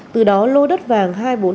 từ đó lô đất vàng hai trăm bốn mươi sáu đồng